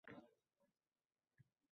Lekin ko‘pchilik unga ahamiyat bermaydi.